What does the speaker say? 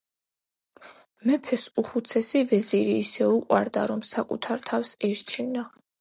მეფეს უხუცესი ვეზირი ისე უყვარდა, რომ საკუთარ თავს ერჩივნა.